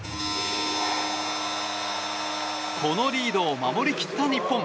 このリードを守り切った日本。